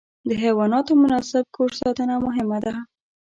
د حیواناتو مناسب کور ساتنه مهمه ده.